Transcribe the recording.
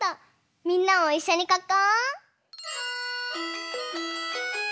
みんなもいっしょにかこう！